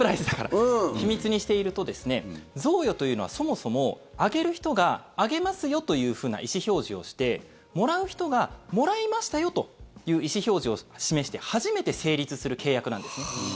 秘密にしているとですね贈与というのはそもそもあげる人があげますよというふうな意思表示をしてもらう人がもらいましたよという意思表示を示して初めて成立する契約なんですね。